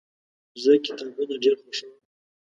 زه کتابونه ډیر خوښوم.